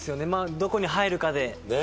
どこに入るかで。